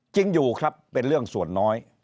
จริงอยู่ครับเป็นเรื่องส่วนน้อย